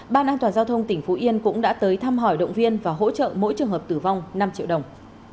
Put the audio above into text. ban an toàn giao thông tỉnh phú yên cũng đã tới thăm hỏi động viên và hỗ trợ mỗi trường hợp tử vong năm triệu đồng